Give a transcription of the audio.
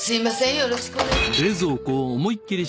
よろしくお願い。